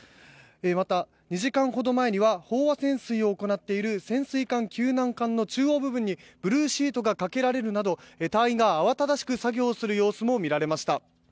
また、２時間ほど前には飽和潜水を行っている潜水艦救難艦の中央部分にブルーシートがかけられるなど隊員が慌ただしく作業する様子も見られました。